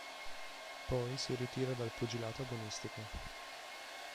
Poi si ritira dal pugilato agonistico.